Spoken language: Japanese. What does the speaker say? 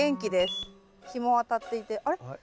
日も当たっていてあれ？